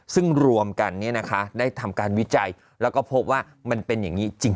ซึ่งรวมกันได้ทำการวิจัยแล้วก็พบว่ามันเป็นอย่างนี้จริง